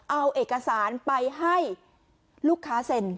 เอาเอกสารไปให้ลูกค้าเซ็น